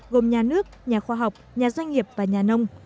gồm nhà nước nhà khoa học nhà doanh nghiệp và nhà nông